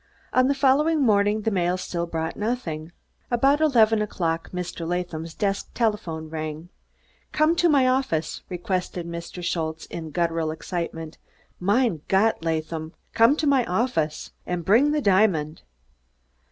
On the following morning the mail still brought nothing. About eleven o'clock Mr. Latham's desk telephone rang. "Come to my offiz," requested Mr. Schultze, in gutteral excitement. "Mein Gott, Laadham, der come to my offiz, Laadham, und bring der diamond!"